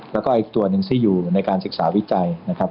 แล้วก็อีกตัวหนึ่งที่อยู่ในการศึกษาวิจัยนะครับ